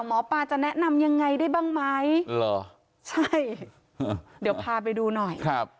หมอปลาจะแนะนำยังไงได้บ้างไหมเหรอใช่เดี๋ยวพาไปดูหน่อยครับ